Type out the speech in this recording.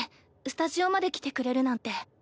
スタジオまで来てくれるなんて。